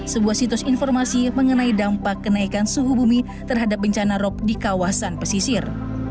sebuah situs informasi mengenai dampak kenaikan suhu bumi terhadap bencana rop di kawasan pesisir